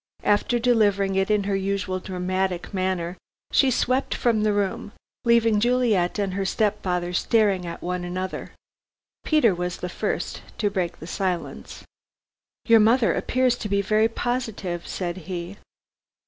After delivering it in her usual dramatic manner, she swept from the room, leaving Juliet and her step father staring at one another. Peter was the first to break the silence. "Your mother appears to be very positive," said he.